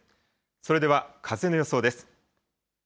それでは風の予想です。